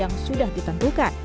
yang sudah ditentukan